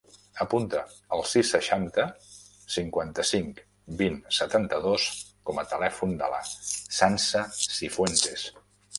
Apunta el sis, seixanta, cinquanta-cinc, vint, setanta-dos com a telèfon de la Sança Cifuentes.